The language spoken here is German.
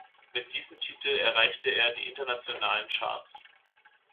Mit diesem Titel erreichte er die internationalen Charts.